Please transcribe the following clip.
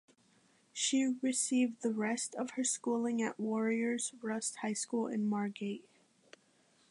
She received the rest of her schooling at Warriors Rust high school in Margate.